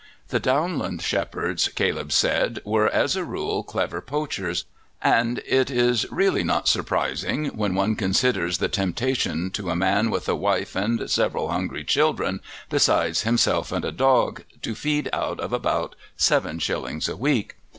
The downland shepherds, Caleb said, were as a rule clever poachers; and it is really not surprising, when one considers the temptation to a man with a wife and several hungry children, besides himself and a dog, to feed out of about seven shillings a week.